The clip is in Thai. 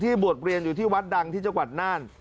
บวชเรียนอยู่ที่วัดดังที่จังหวัดน่าน